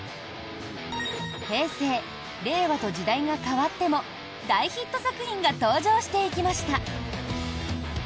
平成、令和と時代が変わっても大ヒット作品が登場していきました。